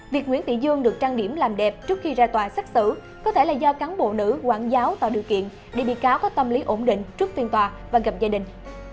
việc nguyễn thị dương được trang điểm làm đẹp trước khi ra tòa xét xử có thể là do cán bộ nữ quản giáo tạo điều kiện để bị cáo có tâm lý ổn định trước phiên tòa và gặp gia đình